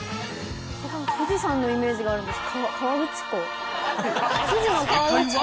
富士山のイメージがあるんです。